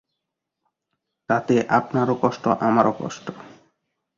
তাতে আপনারও কষ্ট, আমারও কষ্ট।